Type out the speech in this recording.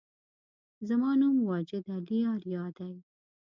زما نوم واجد علي آریا دی